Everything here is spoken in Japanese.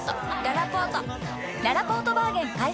ららぽーとバーゲン開催！